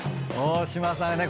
大島さんね